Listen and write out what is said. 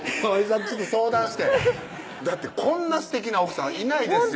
んとちょっと相談してだってこんなすてきな奥さんいないですよ